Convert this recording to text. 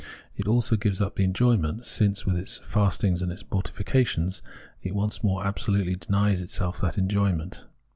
It also gives up the enjoy ment it had — since with its fastings and its mortifica tions it once more absolutely denies itself that enjoy ment.